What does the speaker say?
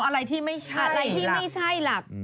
อ๋ออะไรที่ไม่ใช่หลัก